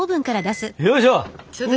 よいしょ！